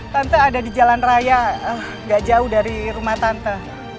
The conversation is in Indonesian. tante ada di jalan raya gak jauh dari rumah tante